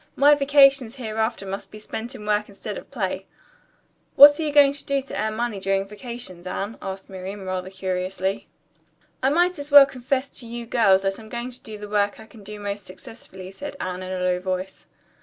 "My vacations hereafter must be spent in work instead of play." "What are you going to do to earn money during vacations, Anne?" asked Miriam rather curiously. "I might as well confess to you girls that I'm going to do the work I can do most successfully," said Anne in a low voice.